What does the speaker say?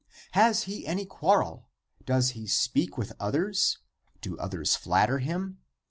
Has he any quarrel? Does he speak with others? Do others flatter him?